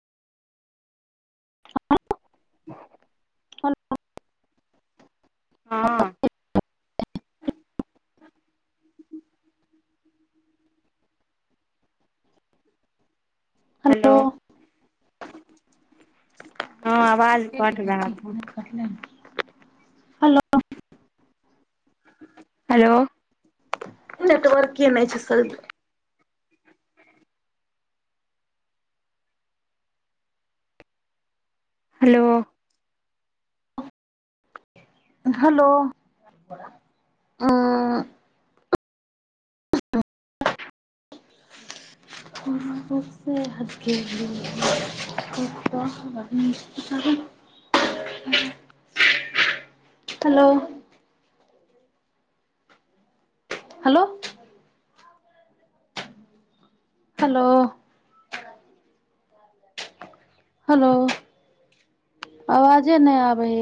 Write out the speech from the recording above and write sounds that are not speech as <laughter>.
ह हलो हँ हेलो हँ आवाज केट कट रहा था देखीटलनि हेलो हेलो नट वर्क एन छै सल हेलो हेलो ह को हथ <unintelligible> हेलो हलो हेलो हेलो आवाजे नहि आबै